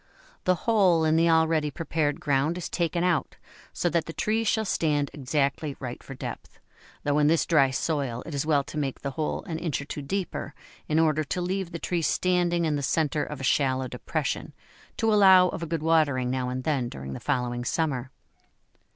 The hole in the already prepared ground is taken out so that the tree shall stand exactly right for depth, though in this dry soil it is well to make the hole an inch or two deeper, in order to leave the tree standing in the centre of a shallow depression, to allow of a good watering now and then during the following summer.